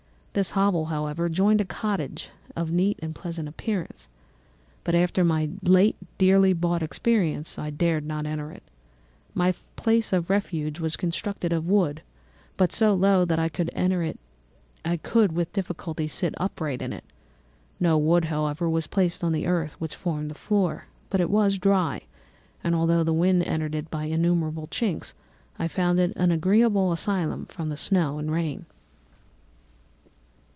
This hovel however, joined a cottage of a neat and pleasant appearance, but after my late dearly bought experience, I dared not enter it. My place of refuge was constructed of wood, but so low that I could with difficulty sit upright in it. No wood, however, was placed on the earth, which formed the floor, but it was dry; and although the wind entered it by innumerable chinks, I found it an agreeable asylum from the snow and rain.